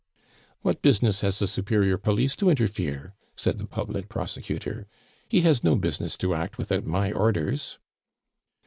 "What business has the superior police to interfere?" said the public prosecutor. "He has no business to act without my orders!"